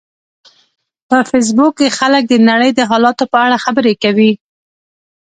په فېسبوک کې خلک د نړۍ د حالاتو په اړه خبرې کوي